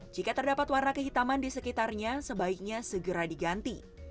jika terdapat warna kehitaman di sekitarnya sebaiknya segera diganti